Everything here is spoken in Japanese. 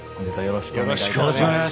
よろしくお願いします。